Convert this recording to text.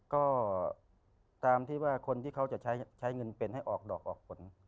ก็ตามที่ว่าคนที่เขาจะใช้เงินเป็นให้ออกดอกออกผล